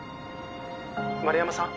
丸山さん？」